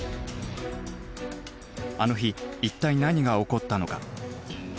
あの日一体何が起こったのか。